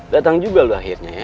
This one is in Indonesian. datang juga loh akhirnya ya